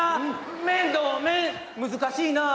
面胴面難しいなあ。